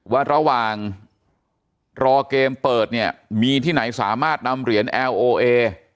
ว่าระหว่างรอเกมเปิดเนี่ยมีที่ไหนสามารถนำเหรียญแอลโอเอ